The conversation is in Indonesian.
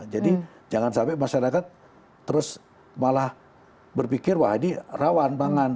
jadi jangan sampai masyarakat terus malah berpikir wah ini rawan pangan